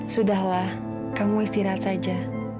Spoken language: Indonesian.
sudahlah kamu istirahat saja